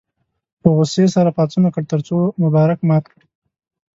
په غوسې سره پاڅون وکړ تر څو مبارک مات کړي.